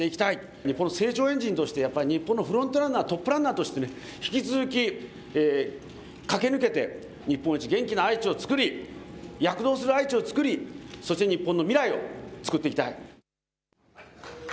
日本の成長エンジンとして日本のフロントランナー、トップランナーとして、引き続き駆け抜けて日本一元気な愛知をつくり、躍動する愛知を作りそして日本の未来をつくっていきたい。